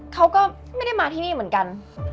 เขาก็ไม่ได้มาที่นี่เหมือนกัน